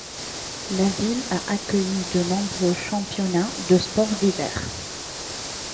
La ville a accueilli de nombreux championnats de sport d'hiver.